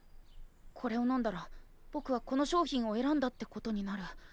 これを飲んだらぼくはこの商品を選んだってことになる。